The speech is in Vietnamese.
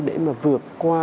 để mà vượt qua